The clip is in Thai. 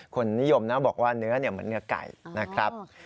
คนนิยมนะบอกว่าเนื้อเหมือนเนื้อไก่นะครับ